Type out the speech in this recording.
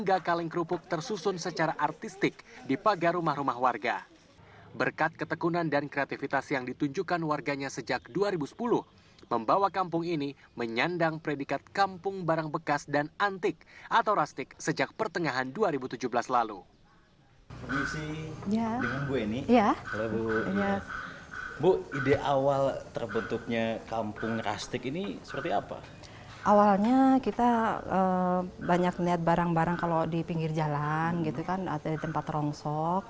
awalnya kita banyak melihat barang barang kalau di pinggir jalan gitu kan ada di tempat rongsok